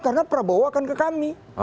karena prabowo akan ke kami